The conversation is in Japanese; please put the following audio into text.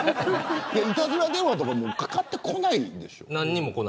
いたずら電話とかかかってこないでしょう。